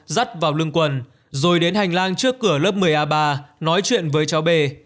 dắt vào lưng quần rồi đến hành lang trước cửa lớp một mươi a ba nói chuyện với cháu bê